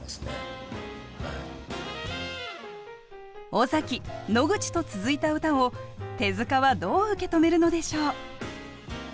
尾崎野口と続いた歌を手塚はどう受け止めるのでしょう。